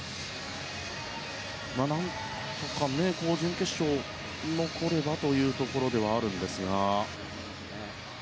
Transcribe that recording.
何とか準決勝、残ればというところではあるんですが。